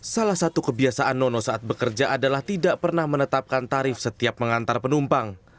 salah satu kebiasaan nono saat bekerja adalah tidak pernah menetapkan tarif setiap mengantar penumpang